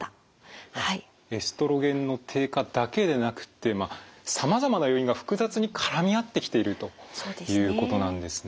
エストロゲンの低下だけでなくてさまざまな要因が複雑に絡み合ってきているということなんですね。